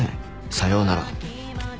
さようなら。